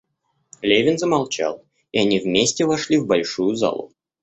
Левин замолчал, и они вместе вошли в большую залу.